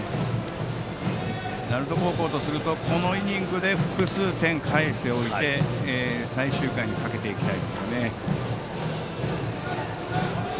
鳴門高校はこのイニングで複数点を返しておいて最終回にかけていきたいですね。